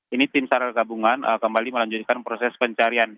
ini tim sar gabungan kembali melanjutkan proses pencarian